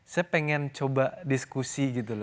saya pengen coba diskusi gitu loh